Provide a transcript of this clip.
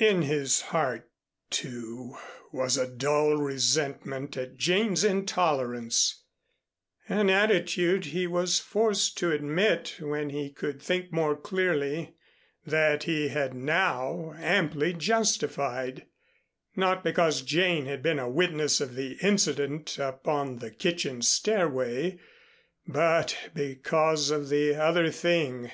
In his heart, too, was a dull resentment at Jane's intolerance an attitude he was forced to admit when he could think more clearly that he had now amply justified, not because Jane had been a witness of the incident upon the kitchen stairway, but because of the other thing.